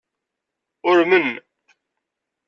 Urmen.